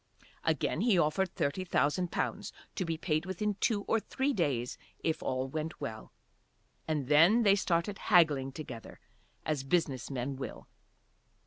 Again he offered thirty thousand pounds, to be paid within two or three days if all went well. And then they started haggling together as business men will.